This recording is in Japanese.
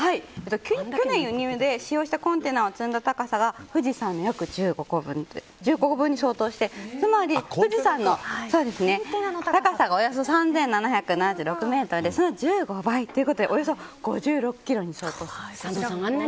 去年、輸入で使用したコンテナを積んだ高さが富士山の約１５個分に相当して富士山の高さのその１５倍ということでおよそ５６ｋｍに相当すると。